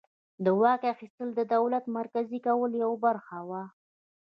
د واک اخیستل د دولت مرکزي کولو یوه برخه وه.